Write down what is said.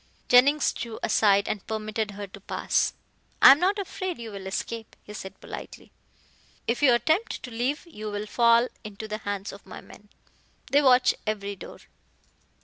Jennings drew aside and permitted her to pass. "I am not afraid you will escape," he said politely. "If you attempt to leave you will fall into the hands of my men. They watch every door."